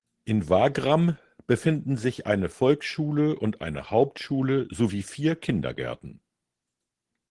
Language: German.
In Wagram befinden sich eine Volksschule und eine Hauptschule sowie vier Kindergärten.